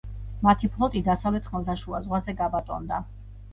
მათი ფლოტი დასავლეთ ხმელთაშუა ზღვაზე გაბატონდა.